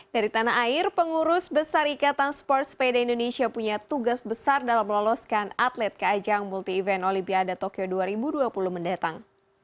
dari tanah air pengurus besar ikatan sports peda indonesia punya tugas besar dalam meloloskan atlet ke ajang multi event olimpiade tokyo dua ribu dua puluh mendatang